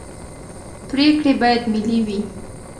پرېکړې باید ملي وي